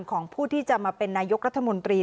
ของผู้ที่จะมาเป็นนายกรัฐมนตรี